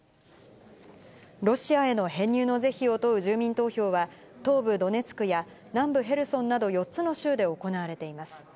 ロシアへの編入の是非を問う住民投票は、東部ドネツクや、南部ヘルソンなど、４つの州で行われています。